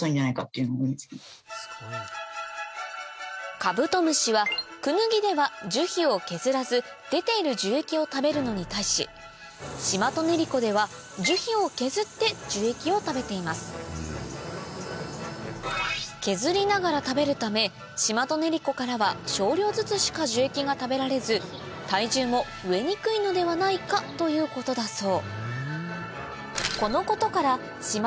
カブトムシはクヌギでは樹皮を削らず出ている樹液を食べるのに対しシマトネリコでは樹皮を削って樹液を食べています削りながら食べるためシマトネリコからは少量ずつしか樹液が食べられず体重も増えにくいのではないかということだそう